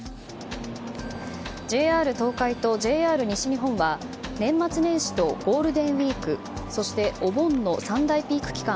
ＪＲ東海とＪＲ西日本は年末年始とゴールデンウィークそしてお盆の３大ピーク期間